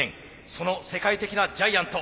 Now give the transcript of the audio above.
その世界的なジャイアント